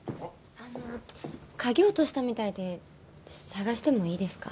あの鍵落としたみたいで捜してもいいですか？